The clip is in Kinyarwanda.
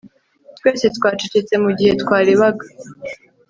twese twacecetse mugihe twarebaga